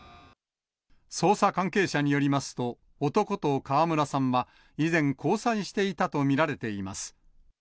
捜査関係者によりますと、男と川村さんは以前、交際していたと見られています。